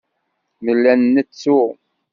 Nella nettu.